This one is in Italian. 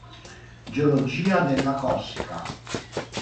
Geologia della Corsica